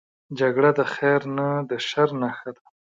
جګړه د خیر نه، د شر نښه ده